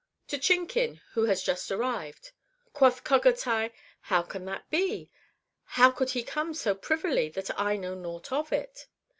^ "To Chinkin, who is just arrived." Quoth Cogatai, " How can that be? How could he come so privily that I know nouoht of it?"